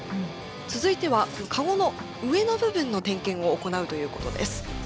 続いてはカゴの上の部分の点検を行うということです。